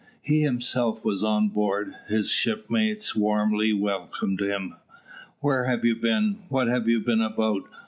He himself was on board. His shipmates warmly welcomed him. "Where have you been? What have you been about?